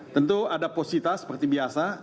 tentu ada positas seperti biasa